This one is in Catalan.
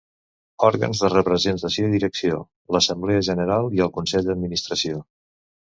Òrgans de representació i direcció: l'Assemblea General, i el Consell d'Administració.